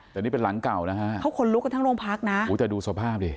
แต่นี่เป็นหลังเก่านะฮะเขาขนลุกกันทั้งโรงพักนะโอ้แต่ดูสภาพดิ